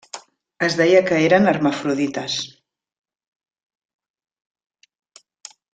Es deia que eren hermafrodites.